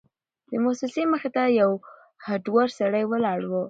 د موسسې مخې ته یو هډور سړی ولاړ و.